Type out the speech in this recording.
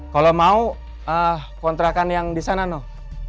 kalau mau kontrakan yang disana noh